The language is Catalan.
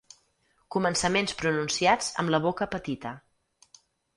Començaments pronunciats amb la boca petita.